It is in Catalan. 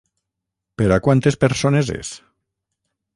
Per a quantes persones és?